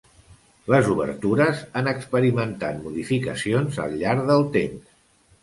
Les obertures han experimentat modificacions al llarg del temps.